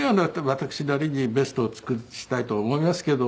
私なりにベストを尽くしたいと思いますけど。